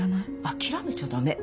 諦めちゃ駄目。